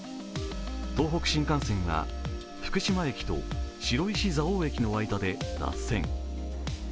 東北新幹線は福島駅と白石蔵王駅の間で脱線。